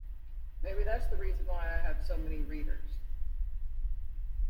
Maybe that's the reason why I have so many readers.